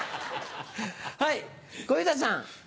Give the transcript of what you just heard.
はい小遊三さん。